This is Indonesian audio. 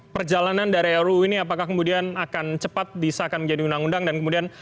perjalanan dari ruu ini apakah kemudian akan cepat disahkan menjadi undang undang dan kemudian